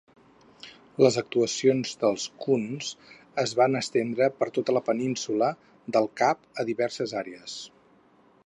Les actuacions dels Coons es van estendre per tota la Península del Cap a diverses àrees.